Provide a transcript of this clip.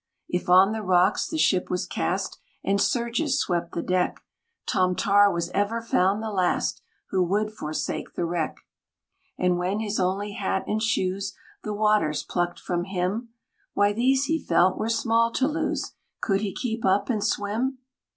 If on the rocks the ship was cast, And surges swept the deck, Tom Tar was ever found the last Who would forsake the wreck. And when his only hat and shoes The waters plucked from him, Why, these, he felt, were small to lose, Could he keep up and swim!